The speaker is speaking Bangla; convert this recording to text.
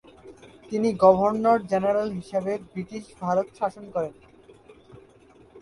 তিনি গভর্নর জেনারেল হিসাবে ব্রিটিশ ভারত শাসন করেন।